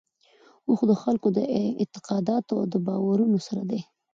اوښ د خلکو له اعتقاداتو او باورونو سره دی.